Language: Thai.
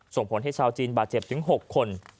ส่งผลให้ชาวจีนบาดเจ็บถึง๖คน